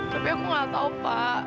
tapi aku nggak tahu pak